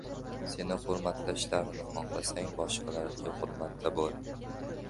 • Seni hurmatlashlarini xohlasang, boshqalarga hurmatda bo‘l.